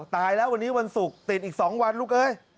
ตายแล้ววันนี้วันศุกร์ติดอีก๒วันลูกเอ้ย